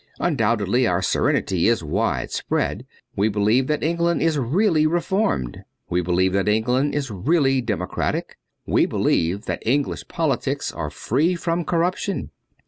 Undoubtedly our serenity is wide spread. We believe that England is really reformed, we believe that England is really democratic, we believe that English politics are free from corrup tion.